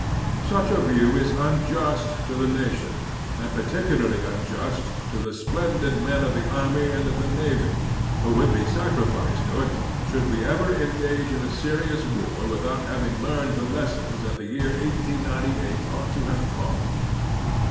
Such a view is un just to the nation, and particularly unjust to the splendid men of the army and of the navy, who would be sacrificed to it, should we ever engage in a serious war without having learned the lessons that the year 1898 ought to have taught.